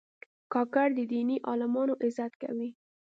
کاکړ د دیني عالمانو عزت کوي.